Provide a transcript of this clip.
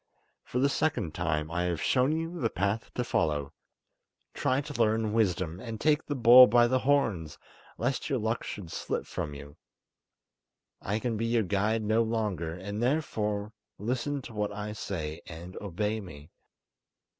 For the second time I have shown you the path to follow; try to learn wisdom, and take the bull by the horns, lest your luck should slip from you! I can be your guide no longer, therefore listen to what I say, and obey me.